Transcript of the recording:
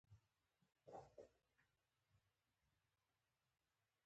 هغه یوه شپه په خپل کټ کې پرېوت او د ځان سره یې وویل: